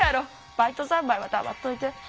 バイトざんまいは黙っといて。